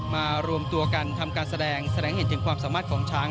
มารวมตัวกันทำการแสดงแสดงเห็นถึงความสามารถของช้าง